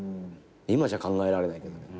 今じゃ考えられないけど。